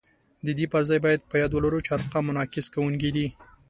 د دې پر ځای باید په یاد ولرو چې ارقام منعکس کوونکي دي